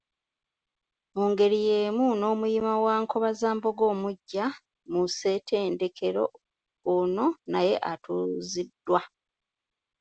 Mu ngeri y’emu n’Omuyima wa Nkobazambogo omuggya mu ssentedekero ono, naye atuuziddwa .